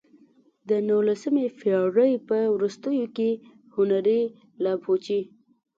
د نولسمې پېړۍ په وروستیو کې هنري لابوچي.